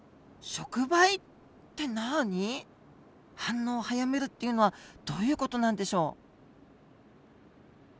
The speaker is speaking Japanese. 反応を早めるっていうのはどういう事なんでしょう？